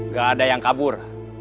gak ada yang kabur